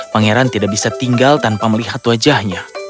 pangeran tidak bisa tinggal tanpa melihat wajahnya